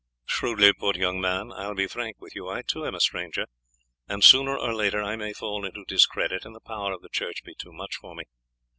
"Shrewdly put, young sir. I will be frank with you. I too am a stranger, and sooner or later I may fall into discredit, and the power of the church be too much for me.